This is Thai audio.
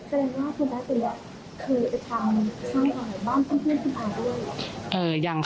แสดงว่าคุณได้เป็นแบบคือจะทำสร้างของบ้านเพื่อนคุณอ่าด้วยเหรอ